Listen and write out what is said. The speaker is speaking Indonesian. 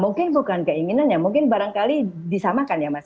mungkin bukan keinginannya mungkin barangkali disamakan ya mas